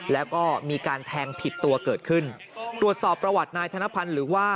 แล้วก็มีการแทงผิดตัวเกิดขึ้นตรวจสอบประวัตินายธนพันธ์หรือว่า